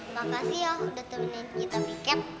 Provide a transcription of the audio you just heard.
makasih ya udah temenin kita pikir